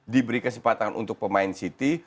diberi kesempatan untuk pemain city